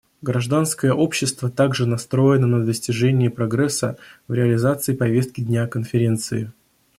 Гражданское общество также настроено на достижение прогресса в реализации повестки дня Конференции.